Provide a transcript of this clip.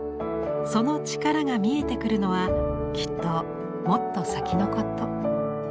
そのチカラが見えてくるのはきっともっと先のこと。